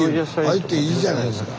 入っていいじゃないですか。